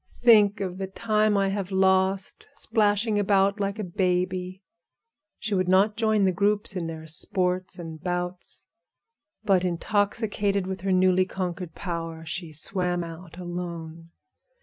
Think of the time I have lost splashing about like a baby!" She would not join the groups in their sports and bouts, but intoxicated with her newly conquered power, she swam out alone.